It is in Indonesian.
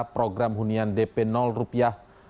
program hunian dp rupiah